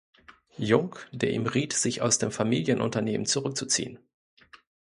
Jung, der ihm riet, sich aus dem Familienunternehmen zurückzuziehen.